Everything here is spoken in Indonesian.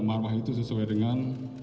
marwah itu sesuai dengan